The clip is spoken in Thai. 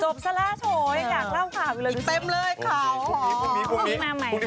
จบซ้าละโถยอยากเล่าผ่าวิลักษณ์เต็มเลยเขา